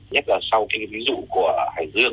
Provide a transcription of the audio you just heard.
nhất là sau cái ví dụ của hải dương